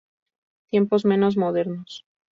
Tiempos menos modernos